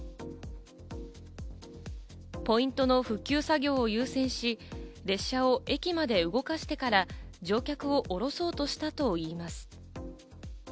ポイントの復旧作業を優先し、列車を駅まで動かしてから乗客を降ろそうとしたといいます。